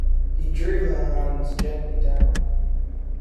He drew her hands gently down.